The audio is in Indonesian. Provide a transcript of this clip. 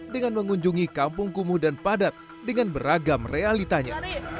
dengan mengunjungi kampung kumuh dan padat dengan beragam realitanya